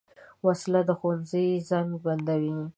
وسله د ښوونځي زنګ بندوي